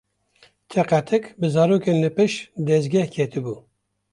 Tiqetiq bi zarokên li pişt dezgeh ketibû.